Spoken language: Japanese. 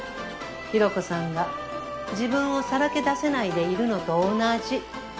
ひろ子さんが自分をさらけ出せないでいるのと同じ。